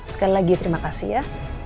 sekali lagi terima kasih ya